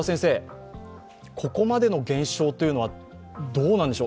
ここまでの減少というのはどうなんでしょう